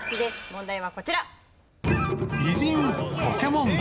問題はこちら。